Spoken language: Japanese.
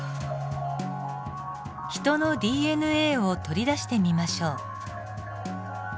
ヒトのＤＮＡを取り出してみましょう。